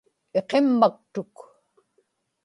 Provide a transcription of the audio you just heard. iqimmaktuk